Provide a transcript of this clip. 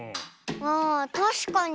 あたしかに。